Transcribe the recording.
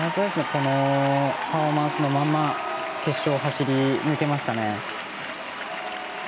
このパフォーマンスのまま決勝を走り抜けましたね。